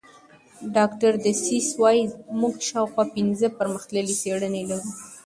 ډاکټر ډسیس وايي موږ شاوخوا پنځه پرمختللې څېړنې لرو.